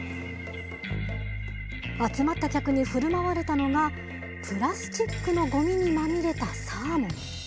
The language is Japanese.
集まった客に振る舞われたのがプラスチックのごみにまみれたサーモン。